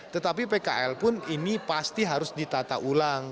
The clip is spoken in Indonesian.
tetapi pkl pun ini pasti harus ditata ulang